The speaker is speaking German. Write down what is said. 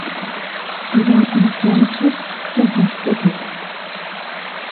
Die Seiten des Langschiffs sind nicht gegliedert.